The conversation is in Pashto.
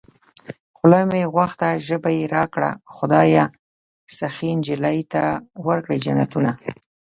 خوله مې غوښته ژبه يې راکړه خدايه سخي نجلۍ ته ورکړې جنتونه